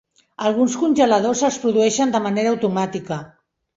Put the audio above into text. Alguns congeladors els produeixen de manera automàtica.